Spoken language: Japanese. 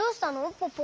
ポポ。